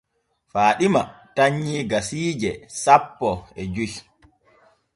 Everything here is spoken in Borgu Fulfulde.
Faaɗima tannyii gasiije sapo e joy.